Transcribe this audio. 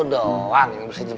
udah sekarang aku makan